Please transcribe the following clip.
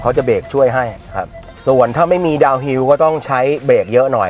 จะเบรกช่วยให้ครับส่วนถ้าไม่มีดาวนฮิวก็ต้องใช้เบรกเยอะหน่อย